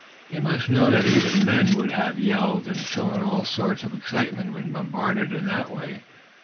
"They must know that even men would have yelled, and shown all sorts of excitement, when bombarded in that way.